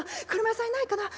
俥屋さんいないかな。